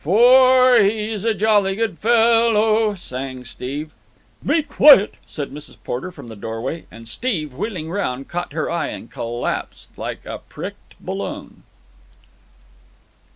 "Fo or he's a jolly good fellow—" sang Steve. "Be quiet!" said Mrs. Porter from the doorway, and Steve, wheeling round, caught her eye and collapsed like a pricked balloon.